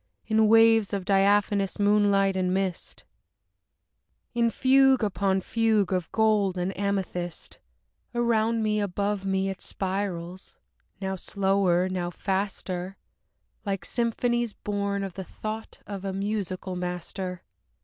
In waves of diaphanous moonlight and mist, In fugue upon fugue of gold and of amethyst, Around me, above me it spirals; now slower, now faster, Like symphonies born of the thought of a musical master.